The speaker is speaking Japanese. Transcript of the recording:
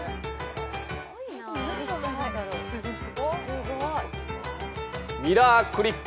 すごい。